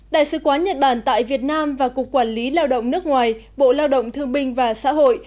đại sứ quán nhật bản tại việt nam và cục quản lý lao động nước ngoài bộ lao động thương binh và xã hội